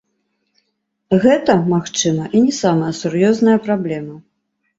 Гэта, магчыма, і не самая сур'ёзная праблема.